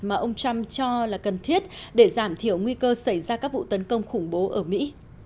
mà ông trump cho là cần thiết để giảm thiểu nguy cơ xảy ra các vụ tấn công khủng bố ở mỹ